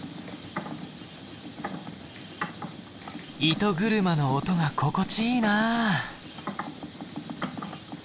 糸車の音が心地いいな。